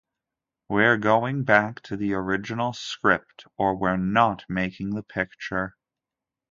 'We're going back to the original script, or we're not making the picture.